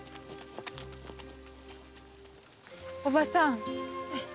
おばさん